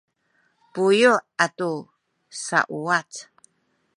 buyu’ atu sauwac